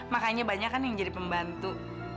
makanya banyak kan yang jadi pembantu